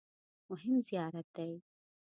مهم زیارت دی.